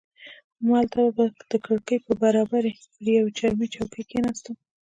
همالته به د کړکۍ پر برابري پر یوې چرمي چوکۍ کښېناستم.